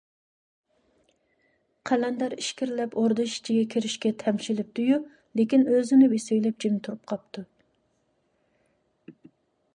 قەلەندەر ئىچكىرىلەپ ئوردا ئىچىگە كىرىشكە تەمشىلىپتۇ - يۇ، لېكىن ئۆزىنى بېسىۋېلىپ جىم تۇرۇپ قاپتۇ.